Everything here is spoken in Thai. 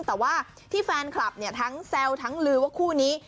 แต่ว่าที่แฟนคลับเนี่ยทั้งแซวทั้งลือว่าคู่นี้